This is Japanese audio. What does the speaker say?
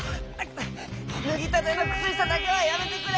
ぬぎたてのくつしただけはやめてくれ！